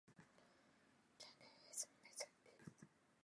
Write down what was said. Candace is Methodist.